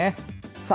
さあ、